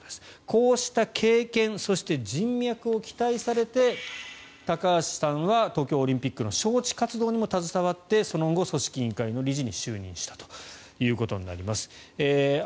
こうした経験そして、人脈を期待されて高橋さんは東京オリンピックの招致活動にも携わってその後、組織委員会の理事に就任したということになります。